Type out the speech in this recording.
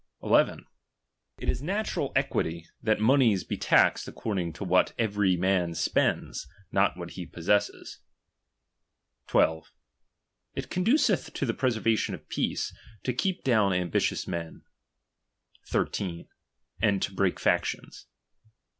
] 1. It is natural equity, that monies be taxed accord ing to what every man spends, not what he possesses. 12. It conduceth to the preservation of peace, to keep down ambi tious men. 13. And to break factions.